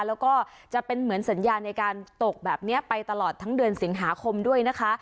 แล้วก็จะเป็นเหมือนสัญญาในการตกแบบนี้ไปตลอดทั้งเดือนสิงหาคมด้วยนะคะ